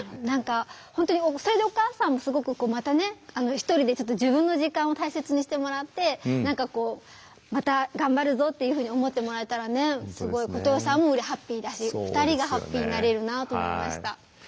何か本当にそれでお母さんもすごくこうまたね１人で自分の時間を大切にしてもらって何かこうまた頑張るぞっていうふうに思ってもらえたらねすごい琴世さんもハッピーだし２人がハッピーになれるなと思いました。